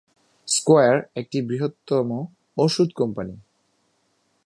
square একটি বৃহত্তম ঔষুধ কম্পানি